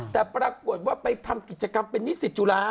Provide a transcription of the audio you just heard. แต่ปรากฏว่าไปทำกิจกรรมเป็นนิสิตจุฬา